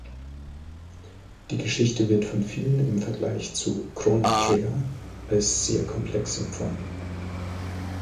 Die Geschichte wird von vielen im Vergleich zu "Chrono Trigger" als sehr komplex empfunden.